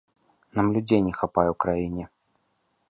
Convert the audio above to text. Нам людзей не хапае ў краіне.